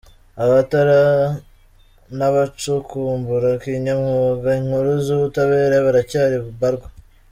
Abatara n’abacukumbura kinyamwuga inkuru z’ubutabera baracyari mbarwa.